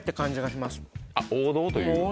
王道という？